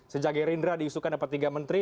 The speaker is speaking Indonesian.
sejak gerindra diusulkan dapat tiga menteri